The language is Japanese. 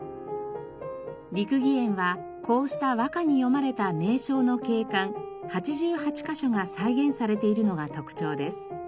六義園はこうした和歌に詠まれた名勝の景観８８カ所が再現されているのが特徴です。